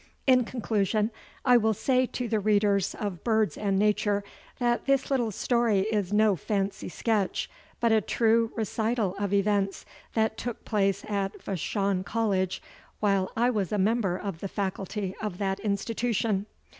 In conclusion I will say to the readers of Birds and Nature that this little story is no fancy sketch but a true recital of events that took place at Vashon College while I was a member of the faculty of that institution.